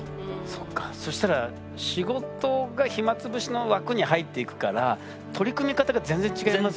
そっかそしたら仕事が暇つぶしの枠に入っていくから取り組み方が全然違いますね。